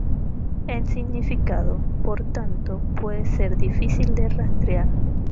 El significado, por tanto, puede ser difícil de rastrear.